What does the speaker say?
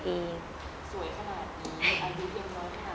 สวยขนาดนี้อายุยังน้อยขนาดนี้หุ่นมาเก็บมากขนาดนี้